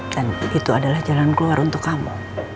dan itu adalah jalan keluar untuk kamu